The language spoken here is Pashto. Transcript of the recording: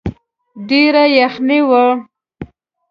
ډېره يخني وه.